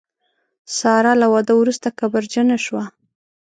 ساره له واده وروسته کبرجنه شوه.